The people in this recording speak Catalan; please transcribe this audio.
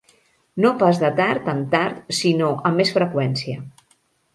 No pas de tard en tard sinó amb més freqüència.